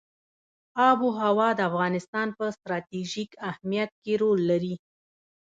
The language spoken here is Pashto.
آب وهوا د افغانستان په ستراتیژیک اهمیت کې رول لري.